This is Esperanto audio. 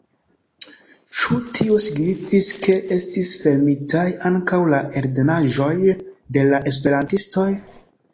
Ĉu tio signifis, ke estis fermitaj ankaŭ la eldonaĵoj de la esperantistoj?